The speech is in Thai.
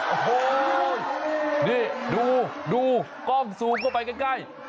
โอ้โหนี่ดูดูกล้องซูมเข้าไปใกล้